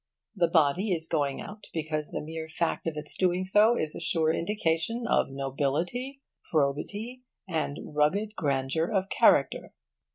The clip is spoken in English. The body is going out because the mere fact of its doing so is a sure indication of nobility, probity, and rugged grandeur of character.